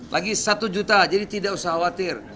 lagi satu juta jadi tidak usah khawatir